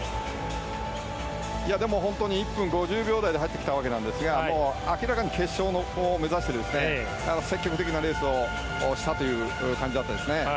１分５０秒台で入ってきたわけなんですが明らかに決勝を目指して積極的なレースをしたという感じだったですね。